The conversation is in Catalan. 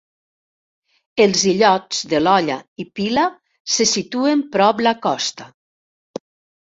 Els illots de l'Olla i Pila se situen prop la costa.